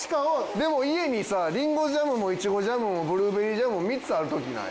でも家にさりんごジャムもいちごジャムもブルーベリージャムも３つある時ない？